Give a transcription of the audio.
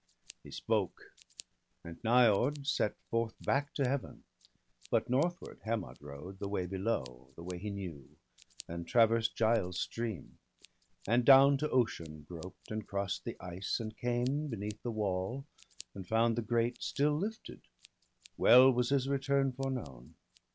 He spoke; and Niord set forth back to Heaven. But northward Hermod rode, the way below, The way he knew; and traversed Giall's stream. And down to Ocean groped, and cross'd the ice. And came beneath the wall, and found the grate Still lifted; well was his return foreknown.